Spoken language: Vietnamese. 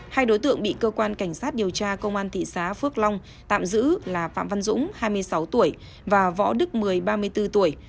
hai đối tượng bị cơ quan cảnh sát điều tra công an thị xã phước long tạm giữ là phạm văn dũng hai mươi sáu tuổi và võ đức mười ba mươi bốn tuổi